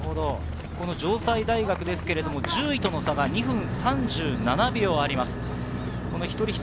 城西大学は１０位との差が２分３７秒あります。